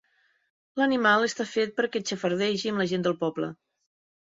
L'animal està fet perquè xafardegi amb la gent del poble.